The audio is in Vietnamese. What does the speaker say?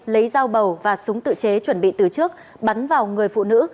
lấy dao bầu và súng tự chế chuẩn bị từ trước bắn vào người phụ nữ